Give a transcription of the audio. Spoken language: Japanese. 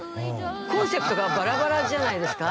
コンセプトがバラバラじゃないですか？